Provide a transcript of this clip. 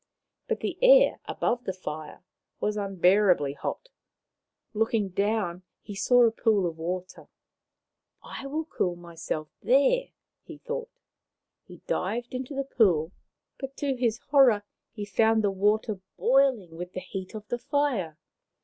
But the air above the fire was unbearably Maui 87 hot. Looking down, he saw a pool of water. " I will cool myself there," he thought. He dived into the pool, but to his horror he found the water boiling with the heat of the fire.